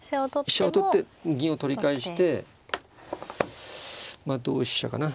飛車を取って銀を取り返して同飛車かな。